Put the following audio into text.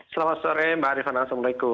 selamat sore mbak